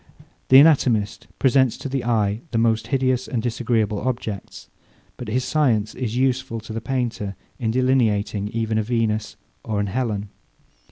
The anatomist presents to the eye the most hideous and disagreeable objects; but his science is useful to the painter in delineating even a Venus or an Helen.